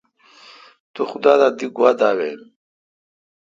تو خدا دا دی گوا داوین۔